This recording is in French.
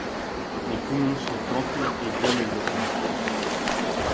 Les poumons sont amples et bien développés.